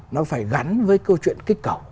nó phải gắn với câu chuyện kích cầu